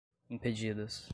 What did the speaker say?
impedidas